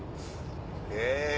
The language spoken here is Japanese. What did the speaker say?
え！